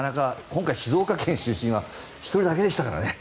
今回、静岡県出身は１人だけでしたからね。